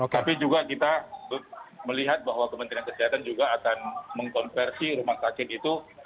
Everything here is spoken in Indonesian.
tapi juga kita melihat bahwa kementerian kesehatan juga akan mengkonversi rumah sakit itu